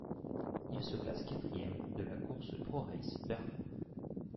Il se classe quatrième de la course ProRace Berlin.